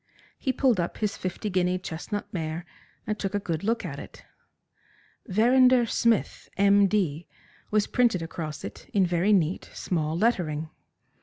He pulled up his fifty guinea chestnut mare and took a good look at it. "Verrinder Smith, M. D.," was printed across it in very neat, small lettering.